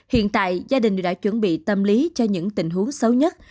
hiện tại gia đình đã chuẩn bị tâm lý cho những tình huống xấu nhất